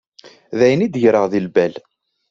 D ayen i d-greɣ deg lbal.